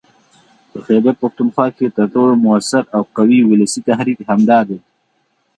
په خيبرپښتونخوا کې تر ټولو موثر او قوي ولسي تحريک همدا دی